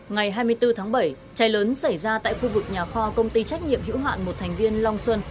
ngày hai mươi bốn tháng bảy cháy lớn xảy ra tại khu vực nhà kho công ty trách nhiệm hữu hạn một thành viên long xuân